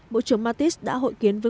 bộ trưởng mattis đã hội kiến với